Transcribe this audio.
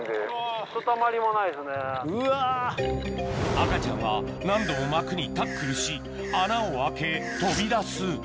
赤ちゃんは何度も膜にタックルし穴を開け飛び出す